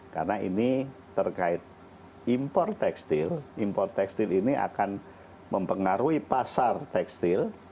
karena ini terkait impor tekstil impor tekstil ini akan mempengaruhi pasar tekstil